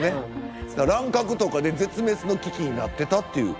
乱獲とかで絶滅の危機になってたっていう。